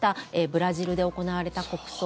ブラジルで行われた国葬。